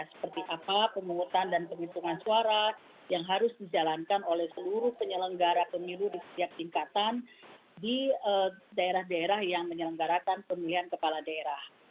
seperti apa pemungutan dan penghitungan suara yang harus dijalankan oleh seluruh penyelenggara pemilu di setiap tingkatan di daerah daerah yang menyelenggarakan pemilihan kepala daerah